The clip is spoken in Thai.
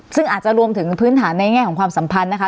ซึ่งอาจจะรวมถึงพื้นฐานในแง่ของความสัมพันธ์นะคะ